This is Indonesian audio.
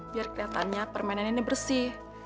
biar kelihatannya permainan ini bersih